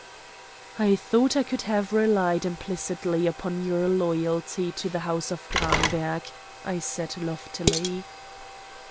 "I thought I could have relied implicitly upon your loyalty to the House of Gramberg," I said loftily.